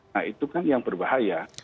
nah itu kan yang berbahaya